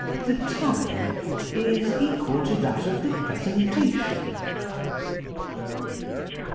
The time equal to that of the presentation.